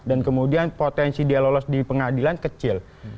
dan kemudian potensi dia lolos di pengadilan kecil